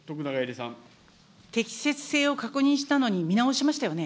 適切性を確認したのに見直しましたよね。